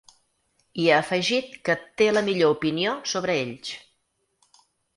I ha afegit que ‘té la millor opinió’ sobre ells.